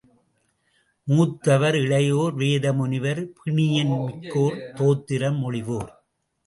மூத்தவர், இளையோர், வேத முனிவர், பிணியின் மிக்கோர், தோத்திரம் மொழிவோர்.